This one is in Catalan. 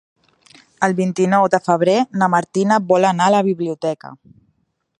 El vint-i-nou de febrer na Martina vol anar a la biblioteca.